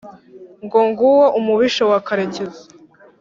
ngo nguwo umubisha wa karekezi!